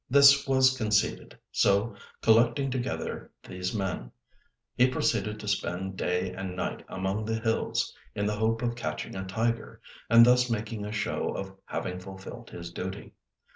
This was conceded; so collecting together these men, he proceeded to spend day and night among the hills in the hope of catching a tiger, and thus making a show of having fulfilled his duty.